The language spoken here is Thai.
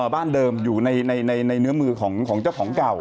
บ้านเดิมอยู่ในเนื้อมือของเจ้าของเก่า